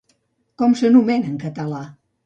Com s'anomena en català?